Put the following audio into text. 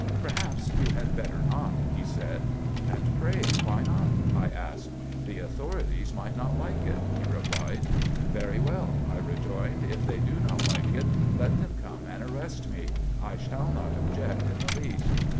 "Perhaps you had better not," he said. "And pray, why not?" I asked. "The authorities might not like it," he replied. "Very well," I rejoined, "if they do not like it, let them come and arrest me. I shall not object in the least."